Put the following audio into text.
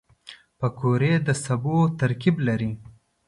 پکورې د سبو ترکیب لري